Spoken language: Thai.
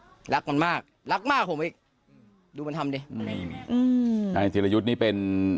อืมรักมันมากรักมากผมอีกอืมดูมันทำดิอืมอืมใช่ธิรยุทธ์นี่เป็น